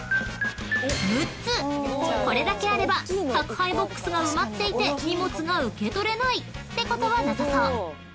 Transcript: ［これだけあれば宅配ボックスが埋まっていて荷物が受け取れないってことはなさそう］